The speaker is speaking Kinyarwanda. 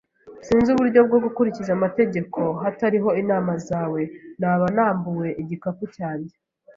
Sinzi uburyo bwo gukurikiza amategeko. Hatariho inama zawe, naba nambuwe igikapu cyanjye.